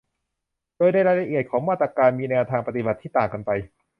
โดยในรายละเอียดของมาตรการมีแนวทางปฏิบัติที่ต่างกันไป